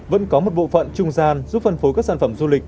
vẫn có một bộ phận trung gian giúp phân phối các sản phẩm du lịch